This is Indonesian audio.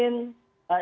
ingin menangani pkb